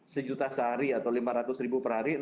sejuta sehari atau lima ratus ribu per hari